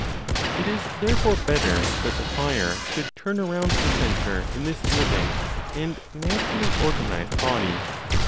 It is therefore better that the fire should turn around the centre in this living and naturally organized body.